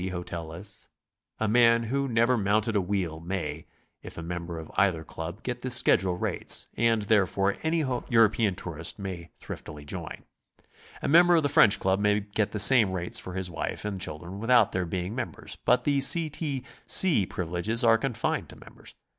93 hotel lists. A man who never mounted a wheel may, if a meml)er of either Club, get the schedule rates, and, there fore, any European tourist may thriftily join. A m.ember of the French Club may get the same rates for his wife and children without their being members, but the C. T. C. privi leges are confined to members.